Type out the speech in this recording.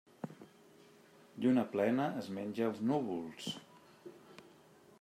Lluna plena es menja els núvols.